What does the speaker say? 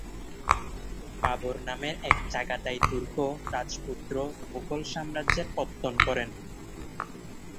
বাবর নামের এক Chagatai Turk রাজপুত্র মুঘল সাম্রাজ্যের পত্তন করেন।